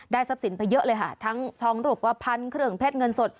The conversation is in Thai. ได้ทรัพย์สินไปเยอะเลยค่ะทั้งทองหลบวะพันธุ์เครื่องเพชรเงินสด